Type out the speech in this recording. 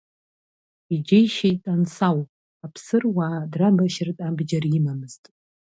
Иџьеишьеит Ансау, аԥсыруаа драбашьыртә абџьар имамымзт.